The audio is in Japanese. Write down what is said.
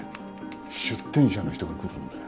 出店者の人が来るんだよ。